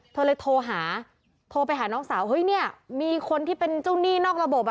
เธอเลยโทรหาโทรไปหาน้องสาวเฮ้ยเนี่ยมีคนที่เป็นเจ้าหนี้นอกระบบ